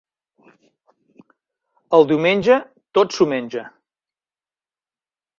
El diumenge tot s'ho menja.